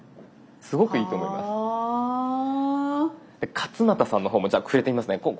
勝俣さんの方もじゃあ触れてみますね。